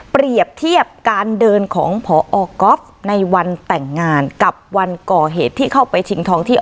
เปรียบเทียบการเดินของพอก๊อฟในวันแต่งงานกับวันก่อเหตุที่เข้าไปชิงทองที่